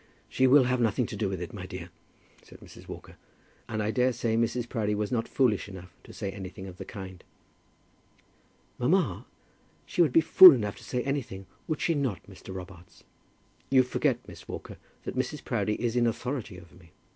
"She will have nothing to do with it, my dear," said Mrs. Walker; "and I daresay Mrs. Proudie was not foolish enough to say anything of the kind." "Mamma, she would be fool enough to say anything. Would she not, Mr. Robarts?" "You forget, Miss Walker, that Mrs. Proudie is in authority over me."